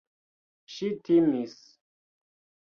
Ŝi timis.